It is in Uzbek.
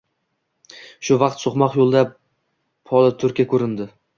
Shu vaqt so‘qmoq yo‘lda polutorka ko‘rindi.